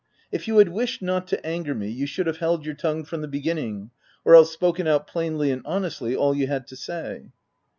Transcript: " If you had wished not to anger me, you should have held your tongue from the begin ning ; or else spoken out plainly and honestly all you had to say."